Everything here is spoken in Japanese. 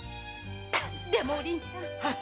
でもお凛さん！